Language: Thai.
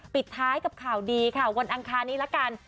ปิดท้ายกับข่าวดีค่ะวันอังคารนี้ละกัน